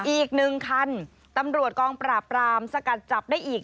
อีกหนึ่งคันตำรวจกองปราบรามสกัดจับได้อีก